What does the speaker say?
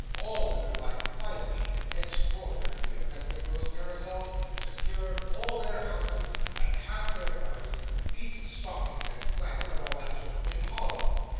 All women like finery extraordinary the effect of those parasols. Secured all their husbands, and half their brothers beats stockings, and flannel, and all that sort of thing hollow.